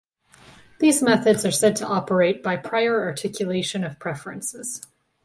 These methods are said to operate by prior articulation of preferences.